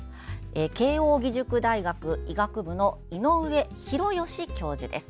慶應義塾大学医学部の井上浩義教授です。